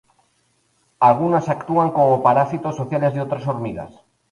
Algunas actúan como parásitos sociales de otras hormigas.